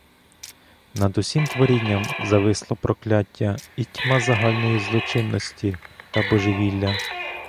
Над усім творінням зависло прокляття і тьма загальної злочинності та божевілля.